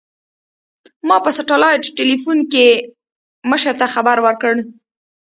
ما په سټلايټ ټېلفون کښې مشر ته خبر وركړ.